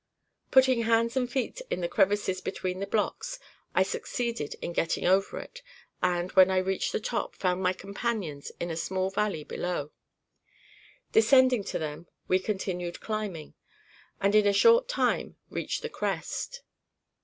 "'Putting hands and feet in the crevices between the blocks, I succeeded in getting over it, and, when I reached the top, found my companions in a small valley below. Descending to them, we continued climbing, and in a short time reached the crest.